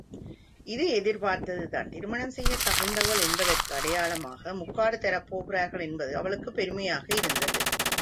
இது எதிர்பார்த்ததுதான் திருமணம் செய்யத் தகுந்தவள் என்பதற்கு அடையாளமாக முக்காடு தரப்போகிறார்கள் என்பது அவளுக்குப் பெருமையாக இருந்தது.